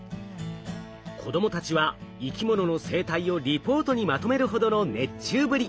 子どもたちは生き物の生態をリポートにまとめるほどの熱中ぶり。